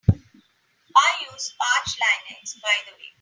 I use Arch Linux by the way.